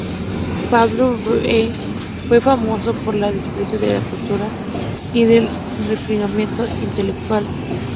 Pablo V fue famoso por su desprecio de la cultura y del refinamiento intelectual.